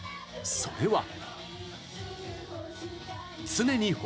それは。